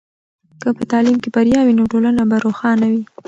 که په تعلیم کې بریا وي، نو ټولنه به روښانه وي.